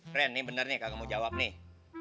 pren ini bener nih kagak mau jawab nih